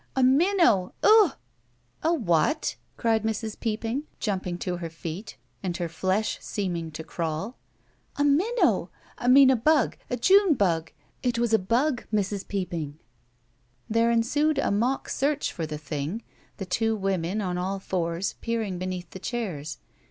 A minnow! Ugh!" A what?" cried Mrs. Peopping, jumping to her feet and her flesh seeming to crawl up. A minnow. I mean a bug — a June bug. It was a bug, Mrs. Peopping." There ensued a mock search for the thing, the two women, on all fours, i)eering beneath the chairs.